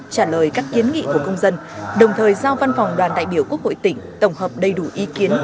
trả lời các kiến nghị của công dân đồng thời giao văn phòng đoàn đại biểu quốc hội tỉnh tổng hợp đầy đủ ý kiến